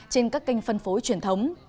trên các kênh phân phối truyền thống